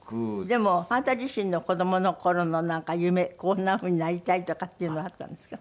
でもあなた自身の子どもの頃の夢こんな風になりたいとかっていうのはあったんですか？